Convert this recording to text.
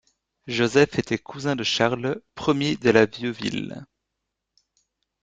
Joseph était cousin de Charles Ier de La Vieuville.